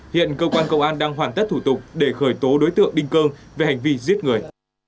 hiện cơ quan công an đang hoàn tất thủ tục để khởi tố đối tượng đinh cơ về hành vi giết người